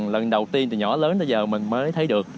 lần đầu tiên từ nhỏ lớn tới giờ mình mới thấy được